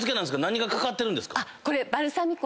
何が掛かってるんですか？